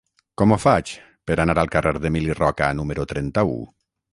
Com ho faig per anar al carrer d'Emili Roca número trenta-u?